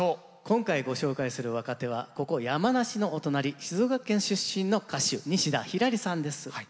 今回ご紹介する若手はここ山梨のお隣静岡県出身の歌手西田ひらりさんです。